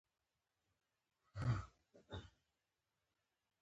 زردالو د افغان کلتور په پخوانیو داستانونو کې راځي.